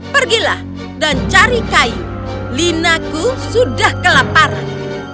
pergilah dan cari kayu linaku sudah kelaparan